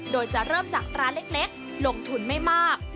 โดยจะเริ่มจากร้านเล็กลงทุนไม่มาก